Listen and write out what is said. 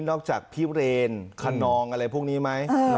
จากพี่เรนคนนองอะไรพวกนี้ไหม